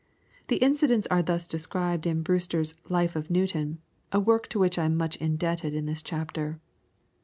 The incidents are thus described in Brewster's "Life of Newton," a work to which I am much indebted in this chapter.